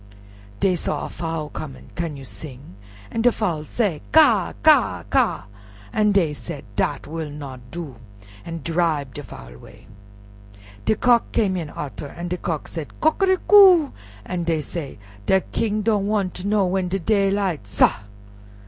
Dey saw a Fowl coming. "Can you sing?" An' de Fowl say "Ka! ka! ka!" an' dey said, "Dat will not do," an' dribe de Fowl 'way. De Cock came in arter, an' de Cock said, "Coquericou," an' dey said, "De King don' wan' ter know when de daylight, sah!"